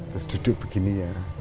terus duduk begini ya